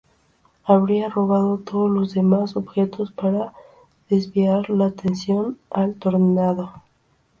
Habría robado todos los demás objetos para desviar la atención al Tornado.